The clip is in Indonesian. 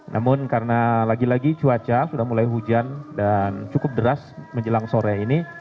namun karena lagi lagi cuaca sudah mulai hujan dan cukup deras menjelang sore ini